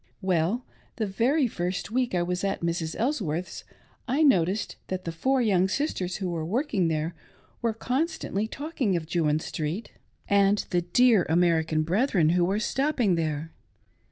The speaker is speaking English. Well, the very first week I was at Mrs. Elsworth's I noticed that the four young sisters who were working there were constantly talking of Jewin Street and the 128 A WOMAN WHO WAS ALWAYS SAD. dear American brethren who were stopping there.